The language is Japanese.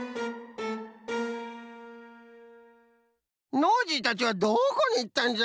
ノージーたちはどこにいったんじゃ？